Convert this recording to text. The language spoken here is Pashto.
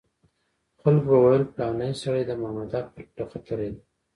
خلکو به ویل پلانی سړی د مامدک پر پله ختلی دی.